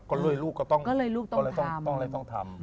ก็เลยลูกต้องทำ